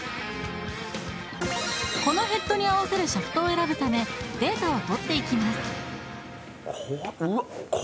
このヘッドに合わせるシャフトを選ぶためデータをとっていきます